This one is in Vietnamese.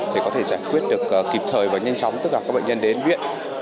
thì có thể giải quyết được kịp thời và nhanh chóng tất cả các bệnh nhân đến viện